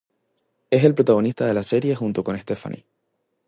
Es el protagonista de la serie junto con Stephanie.